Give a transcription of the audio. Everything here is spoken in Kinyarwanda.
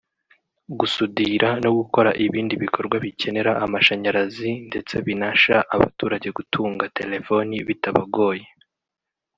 gusudira no gukora ibindi bikorwa bikenera amashanyarazi ndetse binasha abaturage gutunga telefoni bitabagoye